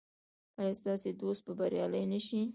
ایا ستاسو دوست به بریالی نه شي؟